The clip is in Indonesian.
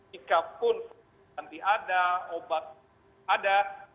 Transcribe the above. jika pun nanti ada obat ada